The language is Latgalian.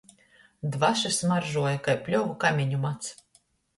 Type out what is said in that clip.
Dvaša smaržuoja kai pļovu kameņu mads.